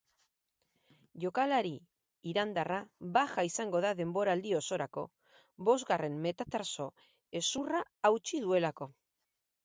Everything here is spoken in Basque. Jokalari irandarra baja izango da denboraldi osorako bosgarren metatartso-hezurra hautsi duelako.